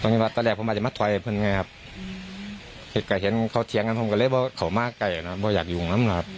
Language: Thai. ตอนนี้ว่าแครกออกมาเถอะนะค่ะเห็นเขาเถียงไกล้เพราะอยากอยู่ดั้งนั้นนะครับ